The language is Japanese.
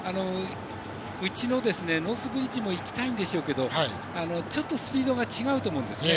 内のノースブリッジもいきたいんでしょうけどちょっとスピードが違うんですよね。